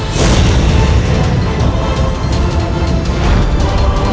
terlalu cepat kau menghadapi aku